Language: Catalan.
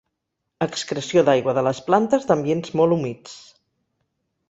Excreció d'aigua de les plantes d'ambients molt humits.